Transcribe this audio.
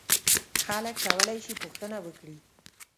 خلک کولای شي پوښتنه وکړي.